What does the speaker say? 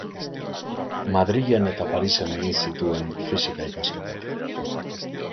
Madrilen eta Parisen egin zituen fisika-ikasketak.